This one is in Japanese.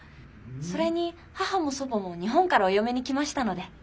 それに母も祖母も日本からお嫁に来ましたので。